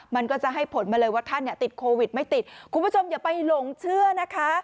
มันก็จะให้ผลมาเลยว่าท่านเนี่ยติดโควิดไม่ติดคุณผู้ชมอย่าไปหลงเชื่อนะคะ